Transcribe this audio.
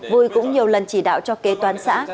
vui cũng nhiều lần chỉ đạo cho kế toán xã